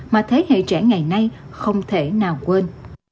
mà thế hệ trẻ ngày nay không thể nào quên